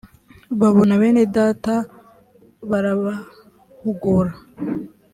babona bene data barabahugura